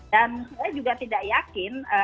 dan saya juga tidak yakin